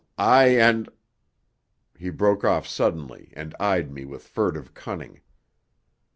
I and " He broke off suddenly and eyed me with furtive cunning.